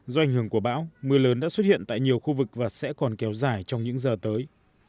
do ảnh hưởng của bão mưa lớn đã xuất hiện tại nhiều khu vực và sẽ còn kéo dài trong những giờ tới